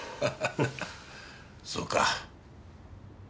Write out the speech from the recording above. そうか。